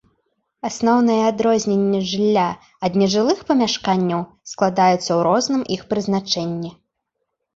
Асноўнае адрозненне жылля ад нежылых памяшканняў складаецца ў розным іх прызначэнні.